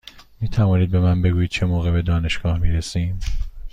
می توانید به من بگویید چه موقع به دانشگاه می رسیم؟